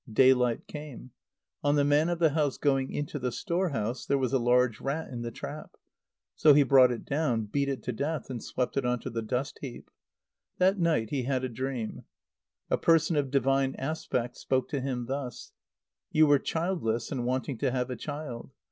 Daylight came. On the man of the house going into the store house, there was a large rat in the trap. So he brought it down, beat it to death, and swept it on to the dust heap. That night he had a dream. A person of divine aspect spoke to him thus; "You were childless, and wanting to have a child.